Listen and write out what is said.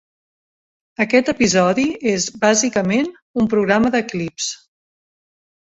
Aquest episodi és bàsicament un programa de clips.